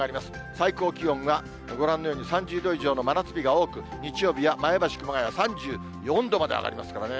最高気温がご覧のように、３０度以上の真夏日が多く、日曜日は前橋、熊谷は３４度まで上がりますからね。